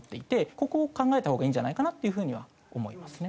ここを考えたほうがいいんじゃないかなっていう風には思いますね。